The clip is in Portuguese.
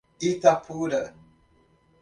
Itapura